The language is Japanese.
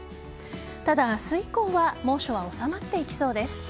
ただ、明日以降は猛暑は収まっていきそうです。